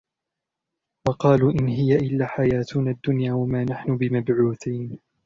وَقَالُوا إِنْ هِيَ إِلَّا حَيَاتُنَا الدُّنْيَا وَمَا نَحْنُ بِمَبْعُوثِينَ